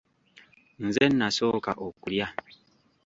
Nze nnaasooka okulya